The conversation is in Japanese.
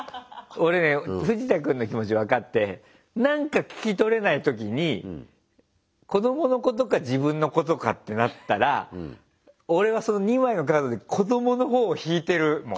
俺ねフジタ君の気持ち分かってなんか聞き取れない時に子供のことか自分のことかってなったら俺はその２枚のカードで子供のほうを引いてる。